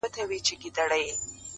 ورته نظمونه ليكم،